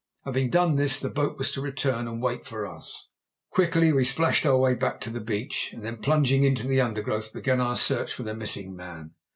Having done this the boat was to return and wait for us. Quickly we splashed our way back to the beach, and then, plunging into the undergrowth, began our search for the missing man.